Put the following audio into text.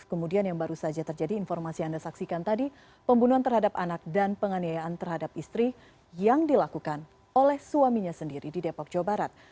kemudian yang baru saja terjadi informasi yang anda saksikan tadi pembunuhan terhadap anak dan penganiayaan terhadap istri yang dilakukan oleh suaminya sendiri di depok jawa barat